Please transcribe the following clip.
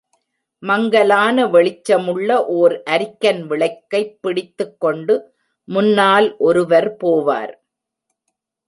மங்கலான வெளிச்சமுள்ள ஓர் அரிக்கன் விளக்கைப் பிடித்துக் கொண்டு முன்னால் ஒருவர் போவார்.